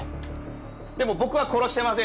でも僕は殺してません！